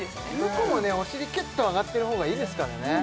男もお尻キュッと上がってる方がいいですからね